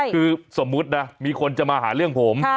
คือสมมุตินะมีคนจะมาหาเรื่องผม